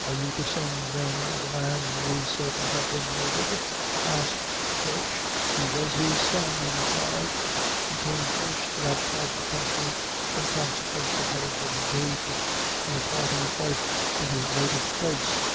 "Are you the son, then, of the man who is said to have been murdered?" asked the judge. "He was his son," he replied, "and came first to that part of the country in consequence of having been engaged in a Party fight in his native place.